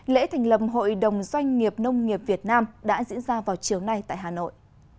lễ thành lập hội đồng doanh nghiệp nông nghiệp việt nam đã diễn ra vào chiều nay tại hà nội